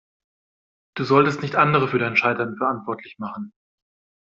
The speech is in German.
Du solltest nicht andere für dein Scheitern verantwortlich machen.